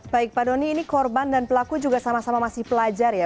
baik pak doni ini korban dan pelaku juga sama sama masih pelajar ya